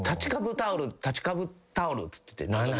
「立ちカブタオル」っつってて何？